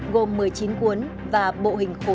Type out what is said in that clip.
gồm một mươi chín cuốn và bộ hình khuẩn